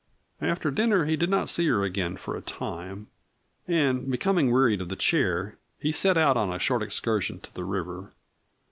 After dinner he did not see her again for a time, and becoming wearied of the chair he set out on a short excursion to the river.